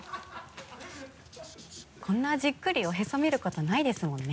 こんなじっくりおへそ見ることないですもんね。